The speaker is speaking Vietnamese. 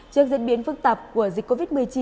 trước diễn biến phức tạp của dịch covid một mươi chín